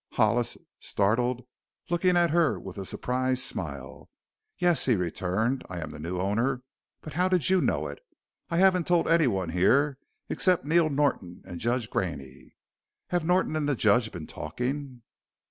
Hollis startled, looking at her with a surprised smile. "Yes," he returned, "I am the new owner. But how did you know it? I haven't told anyone here except Neil Norton and Judge Graney. Have Norton and the Judge been talking?"